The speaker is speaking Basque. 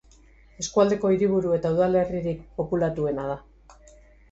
Eskualdeko hiriburu eta udalerririk populatuena da.